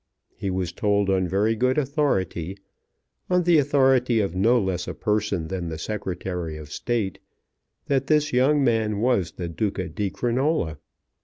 He was told on very good authority, on the authority of no less a person than the Secretary of State, that this young man was the Duca di Crinola.